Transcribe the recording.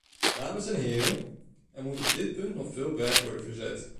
Dames en heren, er moet op dit punt nog veel werk worden verzet.